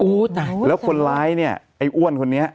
อู๋ถูกสมมุติแล้วคนร้ายเนี่ยไอ้อ้วนคนนี้